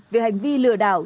về hành vi lừa đảo